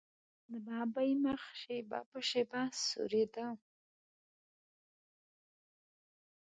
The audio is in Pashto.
د ببۍ مخ شېبه په شېبه سورېده.